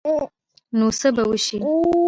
نو څه به وشي ؟